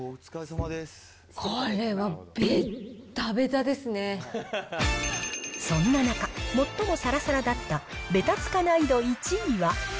これはそんな中、最もさらさらだったべたつかない度１位は。